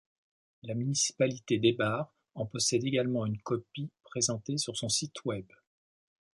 La municipalité d'Eibar en possède également une copie présentée sur son site Web.